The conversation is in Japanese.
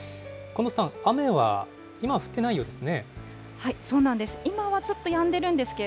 近藤さん、雨は今は降っていないようですね。